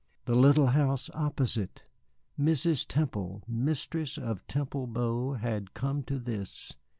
The little house opposite! Mrs. Temple, mistress of Temple Bow, had come to this!